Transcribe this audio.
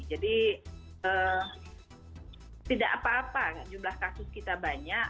jadi tidak apa apa jumlah kasus kita banyak